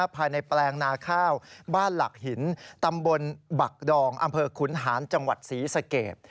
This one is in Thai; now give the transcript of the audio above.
แปลงนาข้าวบ้านหลักหินตำบลบักดองอำเภอขุนหานจังหวัดศรีสเกต